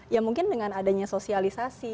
ya mungkin dengan adanya sosialisasi